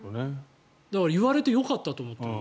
だから、言われてよかったと思った。